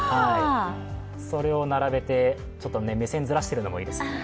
それを並べて、ちょっと目線ずらしているのもいいですね。